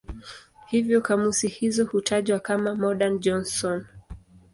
Hivyo kamusi hizo hutajwa kama "Madan-Johnson".